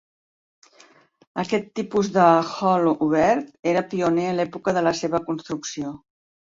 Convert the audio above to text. Aquest tipus de hall obert era pioner a l'època de la seva construcció.